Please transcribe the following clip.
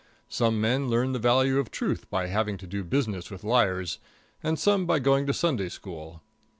Some men learn the value of truth by having to do business with liars; and some by going to Sunday School.